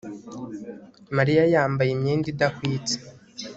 Mariya yambaye imyenda idahwitse